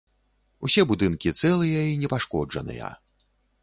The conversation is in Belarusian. Усе будынкі цэлыя і непашкоджаныя.